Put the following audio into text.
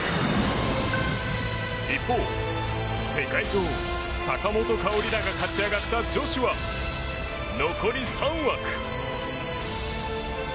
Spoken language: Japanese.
一方、世界女王・坂本花織らが勝ち上がった女子は残り３枠。